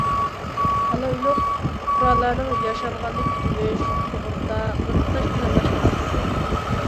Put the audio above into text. ئالايلۇق پۇقرالارنىڭ ياشانغاندا كۈتۈنۈش، سۇغۇرتا، بىر تۇتاش پىلانلاش مەسىلىسى.